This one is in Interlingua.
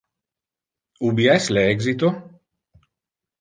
Ubi es le exito?